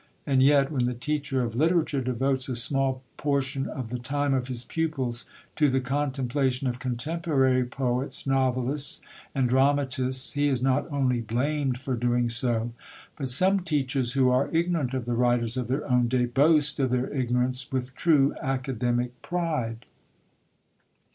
And yet, when the teacher of literature devotes a small portion of the time of his pupils to the contemplation of contemporary poets, novelists, and dramatists, he is not only blamed for doing so, but some teachers who are ignorant of the writers of their own day boast of their ignorance with true academic pride.